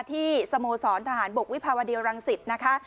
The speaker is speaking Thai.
ที่สโมสรธบวิภาวะเดียวรังศิษย์นะคะ